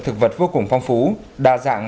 thực vật vô cùng phong phú đa dạng